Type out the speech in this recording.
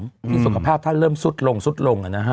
ที่สุขภาพท่านเริ่มสุดลง